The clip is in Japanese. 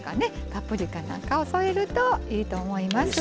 パプリカなんかを添えるといいと思います。